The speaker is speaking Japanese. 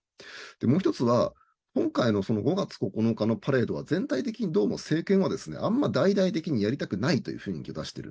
もう一つは、今回の５月９日のパレードは全体的にどうも政権はあんま大々的にやりたくないと。